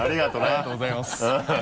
ありがとうございます。